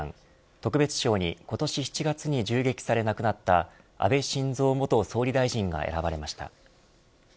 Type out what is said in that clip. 特別賞に今年７月に銃撃され亡くなった安倍晋三元総理大臣が選ばれました。